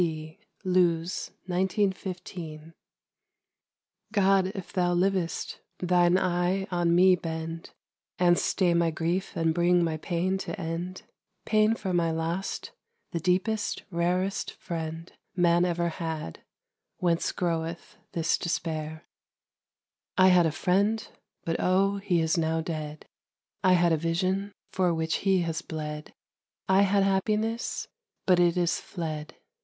P., LOOS, 1915) God, if Thou livest, Thine eye on me bend, And stay my grief and bring my pain to end: Pain for my lost, the deepest, rarest friend Man ever had, whence groweth this despair. I had a friend: but, O! he is now dead; I had a vision: for which he has bled: I had happiness: but it is fled.